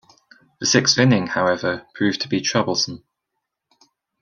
The sixth inning, however, proved to be troublesome.